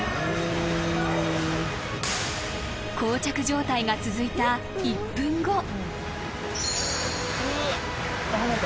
［膠着状態が続いた１分後］